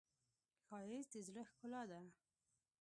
ښایست د زړه ښکلا ده